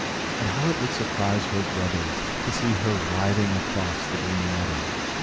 And how it would surprise her brothers to see her riding across the green meadow!